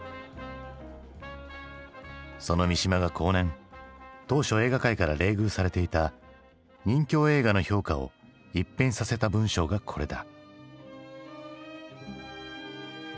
その三島が後年当初映画界から冷遇されていた任侠映画の評価を一変させた文章がこれだ。